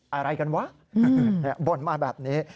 อะไรกันวะบ่นมาแบบนี้